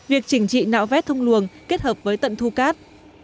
việc chỉnh trị nạo vét thông luồng kết hợp với tận thu cát